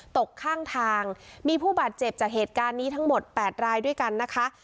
ตกข้างทางมีผู้บาดเจ็บจากเหตุการณ์นี้ทั้งหมด๘รายด้วยกันนะคะ